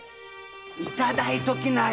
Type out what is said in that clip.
いただいときなよ。